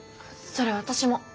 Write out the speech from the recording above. それ私も。